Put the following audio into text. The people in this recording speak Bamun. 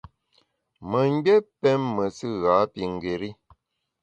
Memgbié pém mesù ghapingéri.